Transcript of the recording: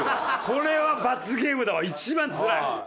これは罰ゲームだわ一番つらい。